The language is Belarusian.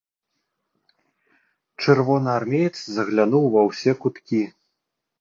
Чырвонаармеец заглянуў ва ўсе куткі.